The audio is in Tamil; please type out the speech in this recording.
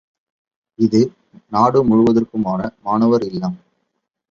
இது, நாடு முழுவதற்குமான, மாணவர் இல்லம்.